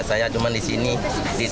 saya cuma di sini